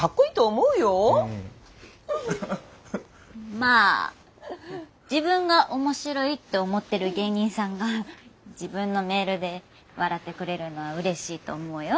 まあ自分が面白いって思ってる芸人さんが自分のメールで笑ってくれるのはうれしいと思うよ。